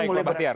baik pak bahtiar